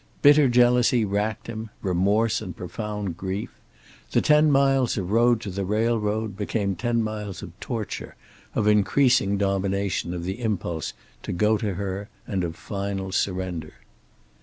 Bitter jealousy racked him, remorse and profound grief. The ten miles of road to the railroad became ten miles of torture, of increasing domination of the impulse to go to her, and of final surrender.